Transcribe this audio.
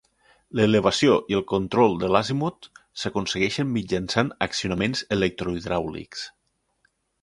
L'elevació i el control de l'azimut s'aconsegueixen mitjançant accionaments electrohidràulics.